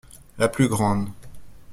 La plus grande.